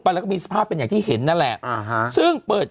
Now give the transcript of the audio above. เราก็มีสภาพเป็นอย่างที่เห็นนั่นแหละซึ่งเปิด